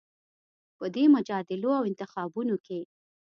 په دې مجادلو او انتخابونو کې